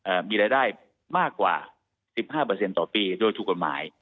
มีรายได้มากกว่าสิบห้าเปอร์เซ็นต์ต่อปีโดยถูกกฎหมาย